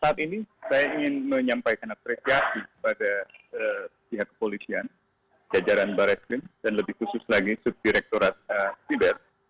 saat ini saya ingin menyampaikan apresiasi kepada pihak kepolisian jajaran barat krim dan lebih khusus lagi subdirektorat sidat